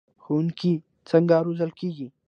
ښوونکي څنګه روزل کیږي؟